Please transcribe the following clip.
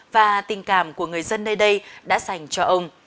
và tình cảm của người dân nơi đây đã dành cho ông